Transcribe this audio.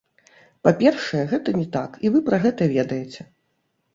Па-першае, гэта не так, і вы пра гэта ведаеце.